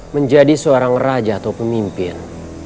menjadi seorang raja atau pemimpin